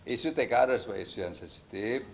isu tka adalah isu yang sensitif